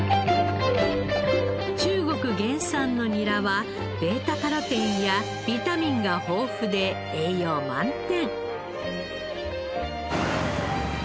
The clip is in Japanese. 中国原産のニラはβカロテンやビタミンが豊富で栄養満点。